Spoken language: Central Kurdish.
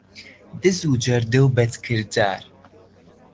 دز و جەردە و بەدکردار